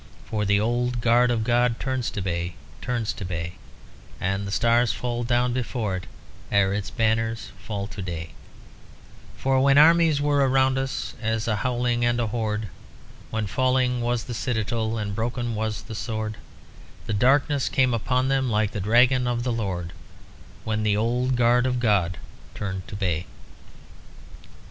For the old guard of God turns to bay, turns to bay, And the stars fall down before it ere its banners fall to day: For when armies were around us as a howling and a horde, When falling was the citadel and broken was the sword, The darkness came upon them like the Dragon of the Lord, When the old guard of God turned to bay."